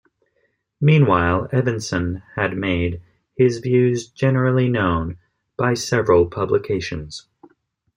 Meanwhile, Evanson had made his views generally known by several publications.